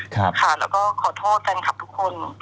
ค่ะแล้วก็ขอโทษจังครับทุกคน